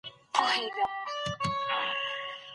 بهرمیشتي افغانان هم زعفران کاروي.